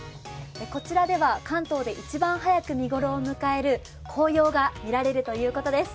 こちらでは関東で一番早く見頃を迎える紅葉が見られるということです。